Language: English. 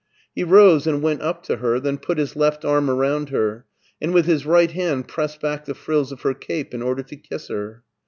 He rose and went up to her; then put his left arm around her, and with his right hand pressed back the frills of her cape in order to kiss her.